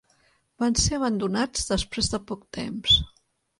Van ser abandonats després de poc temps.